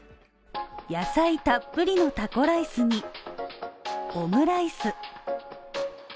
野菜たっぷりのタコライスにオムライス。